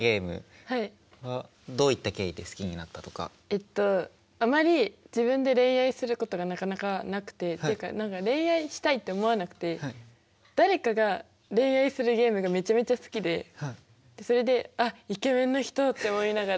えっとあまり自分で恋愛することがなかなかなくてっていうか何か恋愛したいって思わなくて誰かが恋愛するゲームがめちゃめちゃ好きでそれで「あっイケメンの人」って思いながらゲームしてます。